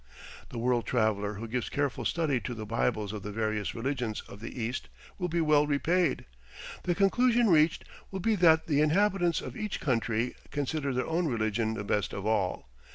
The world traveler who gives careful study to the bibles of the various religions of the East will be well repaid. The conclusion reached will be that the inhabitants of each country consider their own religion the best of all.